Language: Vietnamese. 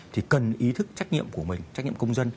thì cần ý thức trách nhiệm của mình trách nhiệm công dân